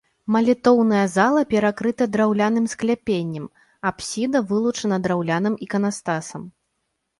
Малітоўная зала перакрыта драўляным скляпеннем, апсіда вылучана драўляным іканастасам.